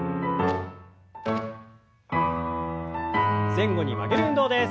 前後に曲げる運動です。